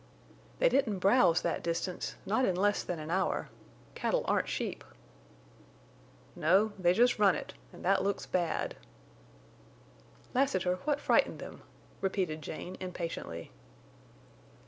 "They didn't browse that distance—not in less than an hour. Cattle aren't sheep." "No, they jest run it, en' that looks bad." "Lassiter, what frightened them?" repeated Jane, impatiently.